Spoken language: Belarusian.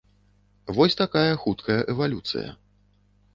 Вось такая хуткая эвалюцыя.